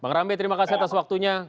bang rambe terima kasih atas waktunya